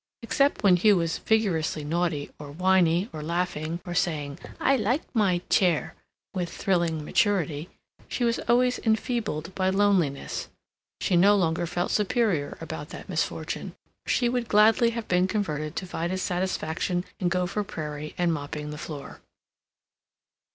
Except when Hugh was vigorously naughty, or whiney, or laughing, or saying "I like my chair" with thrilling maturity, she was always enfeebled by loneliness. She no longer felt superior about that misfortune. She would gladly have been converted to Vida's satisfaction in Gopher Prairie and mopping the floor.